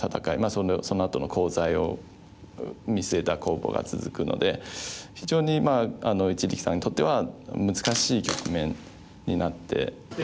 そのあとのコウ材を見据えた攻防が続くので非常に一力さんにとっては難しい局面になって。